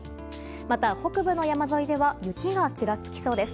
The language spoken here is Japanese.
また、北部の山沿いでは雪がちらつきそうです。